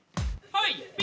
はい！